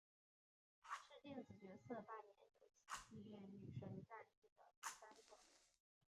是电子角色扮演游戏系列女神战记的第三作。